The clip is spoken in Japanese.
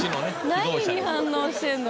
何に反応してんの？